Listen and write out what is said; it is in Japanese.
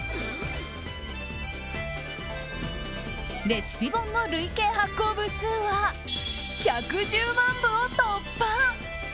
レシピ本の累計発行部数は１１０万部を突破！